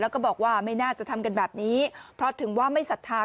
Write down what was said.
แล้วก็บอกว่าไม่น่าจะทำกันแบบนี้เพราะถึงว่าไม่ศรัทธา